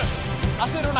焦るな。